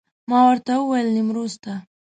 ما ورته وویل نیمروز ته.